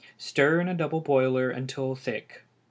Stir in a double boiler until thick.